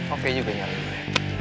oke juga nyari gue